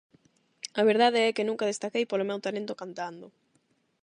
A verdade é que nunca destaquei polo meu talento cantando!